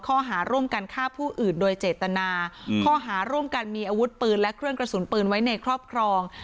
ข้อหาร่วมกันฆ่าผู้อื่นโดยเจตนาข้อหาร่วมกันมีอาวุธปืนและเครื่องกระสุนปืนไว้ในครอบครอง